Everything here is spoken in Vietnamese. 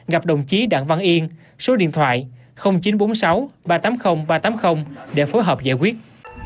gặp đồng chí đặng văn yên số điện thoại chín trăm bốn mươi sáu ba trăm tám mươi ba trăm tám mươi để phối hợp giải quyết